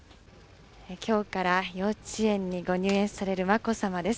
きょうから幼稚園にご入園される眞子さまです。